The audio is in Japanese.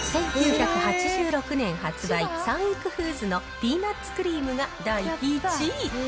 １９８６年発売、三育フーズのピーナッツクリームが第１位。